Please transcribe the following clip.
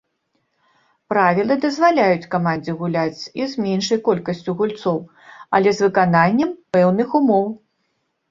Правілы дазваляюць камандзе гуляць і з меншай колькасцю гульцоў, але з выкананнем пэўных умоў.